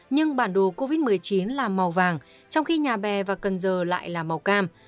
nhưng bản đồ covid một mươi chín là màu vàng trong khi nhà bè và cần giờ lại là màu cam